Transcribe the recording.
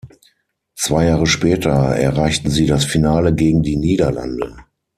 Zwei Jahre später erreichten sie das Finale gegen die Niederlande.